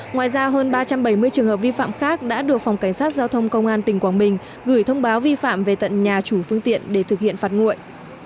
ngoài ra hơn ba trăm bảy mươi trường hợp vi phạm khác đã được phòng cảnh sát giao thông công an tỉnh quảng bình gửi thông báo vi phạm về tận nhà chủ phương tiện để thực hiện phạt nguội